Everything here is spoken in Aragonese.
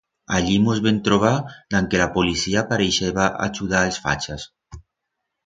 Allí mos vem trobar dan que la policía pareixeba achudar a'ls fachas.